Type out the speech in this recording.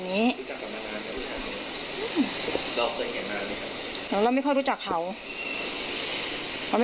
ในช่องแลบนกลุ่มของแฟแนม